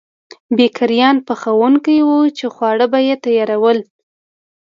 بېکریان پخوونکي وو چې خواړه به یې تیارول.